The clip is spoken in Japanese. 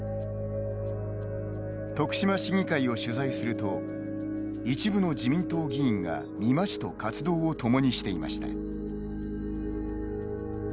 徳島市議会を取材すると一部の自民党議員が美馬氏と活動を共にしていました。